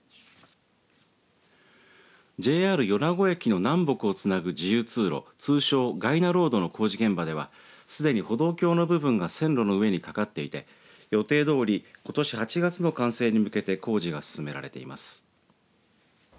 ＪＲ米子駅の南北をつなぐ自由通路通称がいなロードの工事現場ではすでに歩道橋の部分が線路の上に架かっていて予定どおりことし８月の完成に向けて工事が進められています。